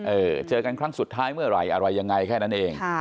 เจอกันครั้งสุดท้ายเมื่อไหร่อะไรยังไงแค่นั้นเอง